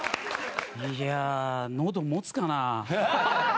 いやあ喉もつかな？